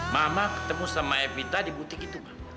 mama ketemu sama evita di butik itu ma